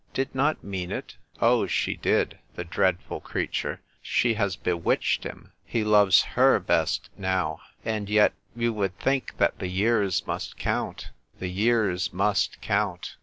"Did not mean it? Oh, she did: the dread ful creature, she has bewitched him ! He loves Jier best now. And yet, you would think that the years must count ; the years must count